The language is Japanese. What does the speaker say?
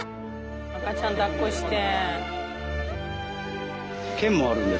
赤ちゃんだっこして。